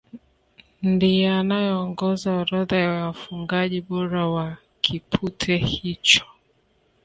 Ndiye anayeongoza orodha ya wafungaji bora wa kipute hicho